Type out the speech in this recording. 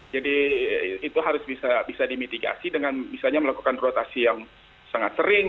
jadi itu harus bisa dimitigasi dengan misalnya melakukan rotasi yang sangat sering